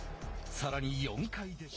さらに４回でした。